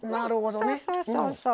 そうそうそうそう。